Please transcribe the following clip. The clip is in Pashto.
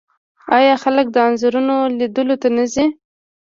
آیا خلک د انځورونو لیدلو ته نه ځي؟